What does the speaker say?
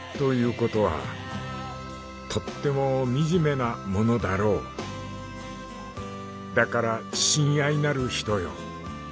ことはとってもみじめなものだろうだから親愛なる人よ